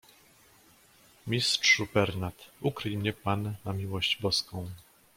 "„Mistrzu Pernat, ukryj mnie pan na miłość Boską."